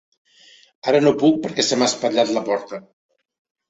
Ara no puc perquè se m'ha espatllat la porta.